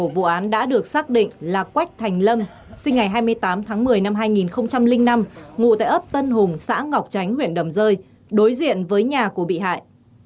vụ án đã được xác định là quách thành lâm sinh ngày hai mươi tám tháng một mươi năm hai nghìn năm ngụ tại ấp tân hùng xã ngọc chánh huyện đầm rơi đối diện với nhà của bị hại